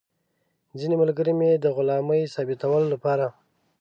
ځینې ملګري مې د غلامۍ ثابتولو لپاره.